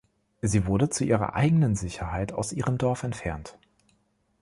Sie wurde zu ihrer eigenen Sicherheit aus ihrem Dorf entfernt.